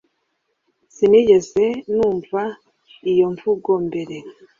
Sinigeze numva iyo mvugo mbere